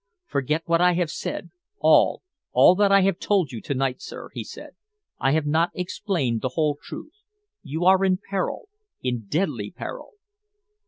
"Forget what I have said all all that I have told you to night, sir," he said. "I have not explained the whole truth. You are in peril in deadly peril!"